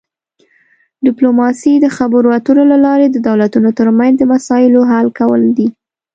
ډیپلوماسي د خبرو اترو له لارې د دولتونو ترمنځ د مسایلو حل کول دي